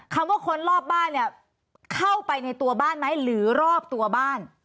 คำว่าคนรอบบ้านเนี่ยเข้าไปในตัวบ้านไหมหรือรอบตัวบ้าน